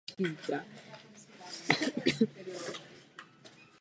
Stejný jezdec zvítězil také v následujícím ročníku.